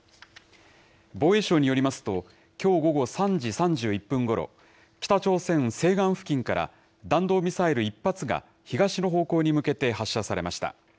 防衛省によりますと、きょう午後３時３１分ごろ、北朝鮮西岸付近から、弾道ミサイル１発が東の方向に向けて発射されました。